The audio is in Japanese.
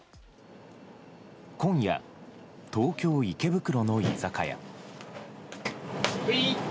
今夜、東京・池袋の居酒屋。